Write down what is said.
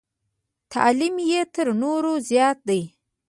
تعلیم یې تر نورو زیات دی.